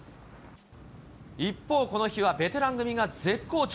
一方、この日はベテラン組が絶好調。